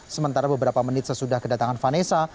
sementara beberapa menit sesudah kedatangan vanessa